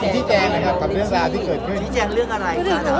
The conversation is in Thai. พี่ไก่ขออนุญาตเลยนะครับ